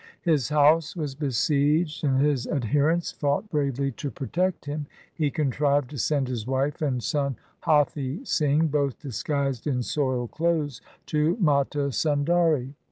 His house was besieged, and his adherents fought bravely 256 THE SIKH RELIGION to protect him. He contrived to send his wife and son Hathi Singh, both disguised in soiled clothes, to Mata Sundari.